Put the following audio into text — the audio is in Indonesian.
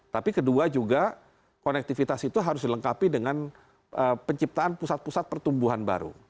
tapi kedua juga konektivitas itu harus dilengkapi dengan penciptaan pusat pusat pertumbuhan baru